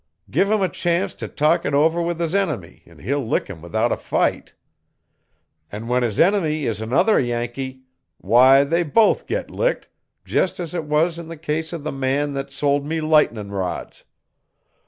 Give him a chance t' talk it over with his enemy an' he'll lick 'im without a fight. An' when his enemy is another Yankee why, they both git licked, jest as it was in the case of the man thet sold me lightnin' rods.